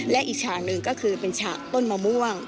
และอีกฉากหนึ่งก็คือเป็นฉากต้นมะม่วง